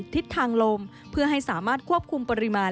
ทิศทางลมเพื่อให้สามารถควบคุมปริมาณ